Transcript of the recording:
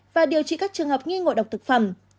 và điều trị các trường hợp nghi ngộ độc thực phẩm